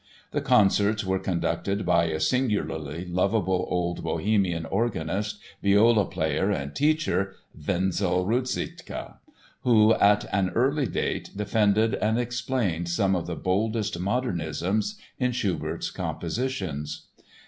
The concerts were conducted by a singularly lovable old Bohemian organist, viola player and teacher, Wenzel Ruziczka, who at an early date defended and explained some of the boldest "modernisms" in Schubert's compositions.